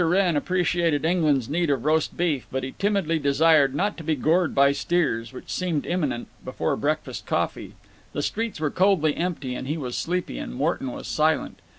Wrenn appreciated England's need of roast beef, but he timidly desired not to be gored by steers, which seemed imminent, before breakfast coffee. The streets were coldly empty, and he was sleepy, and Morton was silent.